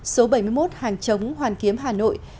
số bảy mươi một hàng chống hoàn kiếm hà nội